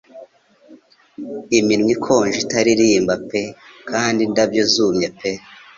Iminwa ikonje itaririmba pe kandi indabyo zumye pe